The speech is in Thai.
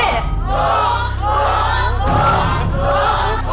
ถูก